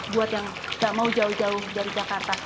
buat yang gak mau jauh jauh dari jakarta